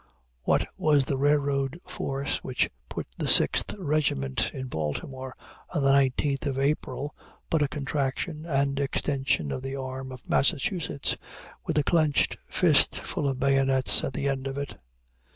What was the railroad force which put the Sixth Regiment in Baltimore on the 19th of April but a contraction and extension of the arm of Massachusetts with a clenched fist full of bayonets at the end of it?